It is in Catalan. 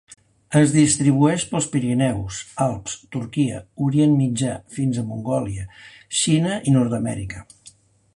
Es distribueix pels Pirineus, Alps, Turquia, Orient Mitjà fins a Mongòlia, Xina i Nord-amèrica.